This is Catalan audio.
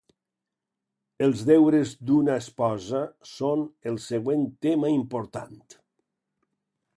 Els deures d'una esposa són el següent tema important.